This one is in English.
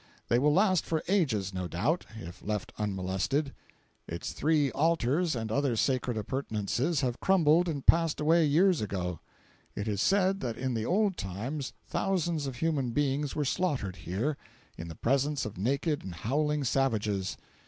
They will last for ages no doubt, if left unmolested. Its three altars and other sacred appurtenances have crumbled and passed away years ago. It is said that in the old times thousands of human beings were slaughtered here, in the presence of naked and howling savages.